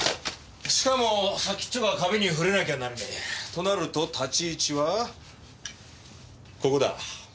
しかも先っちょが壁に触れなきゃなんねえ。となると立ち位置はここだ。